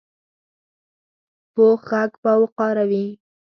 پوخ غږ باوقاره وي